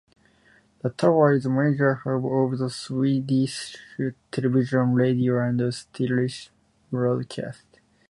The tower is a major hub of Swedish television, radio and satellite broadcasts.